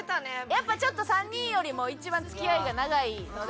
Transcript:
やっぱちょっと３人よりも一番付き合いが長いので。